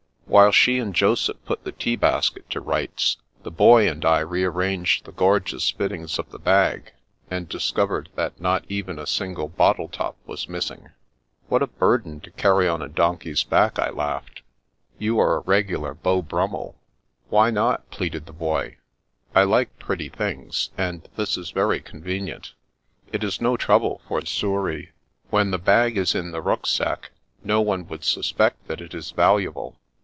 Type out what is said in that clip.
While she and Joseph put the tea basket to rights, the boy and I rearranged the gor geous fittings of the bag, and discovered that not even a single bottle top was missing. " What a burden to carry on a donkey's back !" I laughed. " You are a regular Beau Brum mel/' The Princess 1 37 " Why not ?" pleaded the boy. " I like pretty things, and this is very convenient. It is no trouble for Souris. When the bag is in the rucksack, no one would suspect that it is valuable.